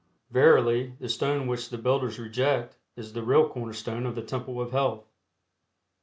Verily the stone which the builders reject is the real cornerstone of the Temple of Health.